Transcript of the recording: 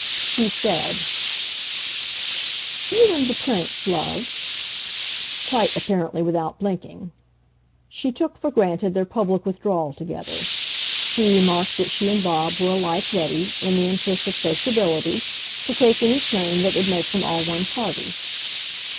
She said "You and the Prince, love," quite, apparently, without blinking; she took for granted their public withdrawal together; she remarked that she and Bob were alike ready, in the interest of sociability, to take any train that would make them all one party.